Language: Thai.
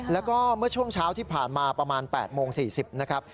แล้วก็เมื่อช่วงเช้าที่ผ่านมาประมาณ๘โมง๔๐นะครับ